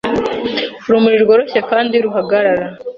urumuri rworoshye kandi ruhagarara